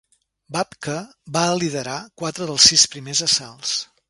Babka va liderar quatre dels sis primers assalts.